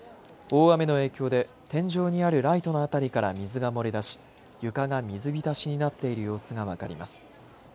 大雨の影響で天井にあるライトの辺りから水が漏れ出し床が水浸しになっている様子が分かります。